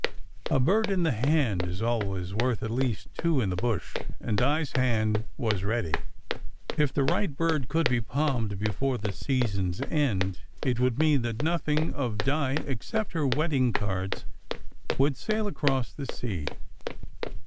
A bird in the hand is always worth at least two in the bush, and Di s hand was ready. If the right bird could be palmed before the season s end, it would mean that nothing of Di except her wedding cards would sail across the sea.